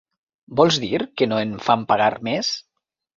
Vols dir que no en fan pagar més?